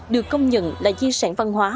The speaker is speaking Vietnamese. được công nhận là di sản văn hóa